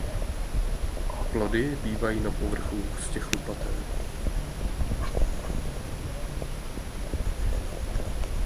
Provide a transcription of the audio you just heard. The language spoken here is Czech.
Plody bývají na povrchu hustě chlupaté.